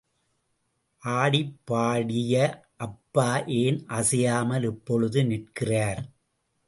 ஆடிப்பாடிய அப்பா, ஏன் அசையாமல் இப்பொழுது நிற்கிறார்?